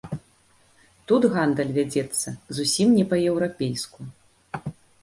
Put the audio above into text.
Тут гандаль вядзецца зусім не па-еўрапейску.